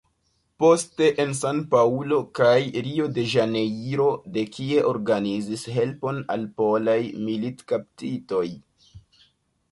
Poste en San-Paŭlo kaj Rio-de-Ĵanejro, de kie organizis helpon al polaj militkaptitoj.